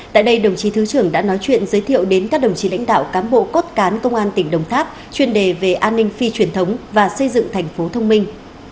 tại đây đồng chí thứ trưởng đã nói chuyện giới thiệu đến các đồng chí lãnh đạo cán bộ cốt cán công an tỉnh đồng tháp chuyên đề về an ninh phi truyền thống và xây dựng thành phố thông minh